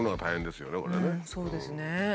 そうですね。